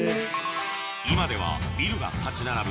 今ではビルが立ち並ぶ